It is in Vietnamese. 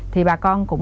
thì bà con cũng